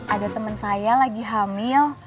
ada teman saya lagi hamil